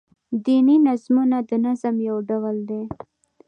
دیني نظمونه دنظم يو ډول دﺉ.